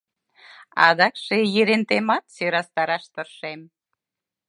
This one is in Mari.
Адакше Ерентемат сӧрастараш тыршем: